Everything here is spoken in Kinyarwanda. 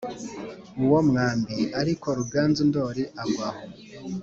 uwo mwambi, ariko ruganzu ndori agwa aho.